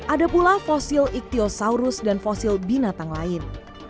ada pula fosil ikhtiosaurus dan fosil binatang lain